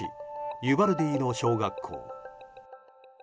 ユバルディの小学校。